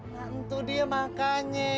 ngantuk dia makanya